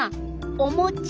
おもち。